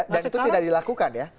dan itu tidak dilakukan ya